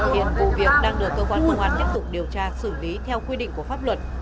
hiện vụ việc đang được cơ quan công an tiếp tục điều tra xử lý theo quy định của pháp luật